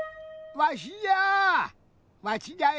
わしじゃよ！